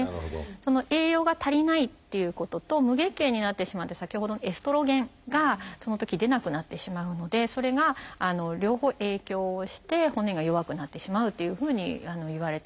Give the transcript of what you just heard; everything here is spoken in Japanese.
栄養が足りないっていうことと無月経になってしまって先ほどのエストロゲンがそのとき出なくなってしまうのでそれが両方影響をして骨が弱くなってしまうというふうにいわれています。